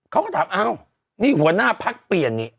เขาก็ถามอ้าวนี่หัวหน้าพักเปลี่ยนนี่